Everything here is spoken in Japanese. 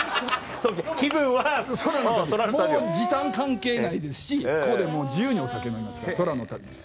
もう時間関係ないですしここでもう自由にお酒飲めますから空の旅です。